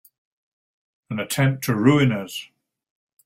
An attempt to ruin us!